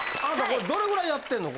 これどれぐらいやってんの？